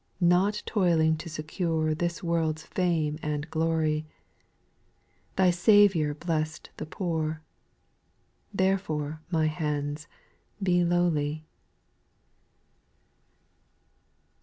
Not toiling to secure This world's fame and glory. Thy Saviour blessed the poor. Therefore, my hands, be lowly.